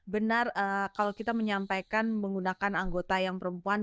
benar kalau kita menyampaikan menggunakan anggota yang perempuan